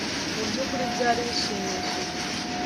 Mu byukuri byari bishimishije